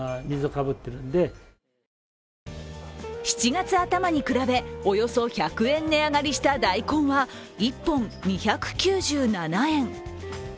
７月頭に比べ、およそ１００円値上がりした大根は１本２９７円。